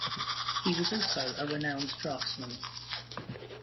He was also a renowned draftsman.